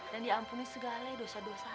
dan diampuni segala dosa dosanya